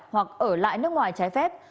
hoặc ở lại nước ngoài trái phép